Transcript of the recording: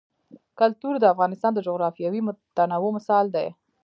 کلتور د افغانستان د جغرافیوي تنوع مثال دی.